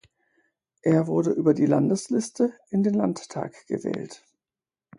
Er wurde über die Landesliste in den Landtag gewählt.